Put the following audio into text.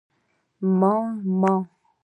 _ما، ما